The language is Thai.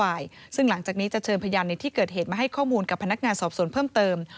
กล่าวหากันทั้งสองฝ่ายซึ่งหลังจากนี้จะเชิญพยานในที่เกิดเหตุมาให้ข้อมูลกับพนักงานสอบส่วนเพิ่มเติม